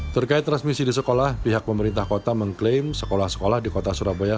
terkait transmisi di sekolah pihak pemerintah kota mengklaim sekolah sekolah di kota surabaya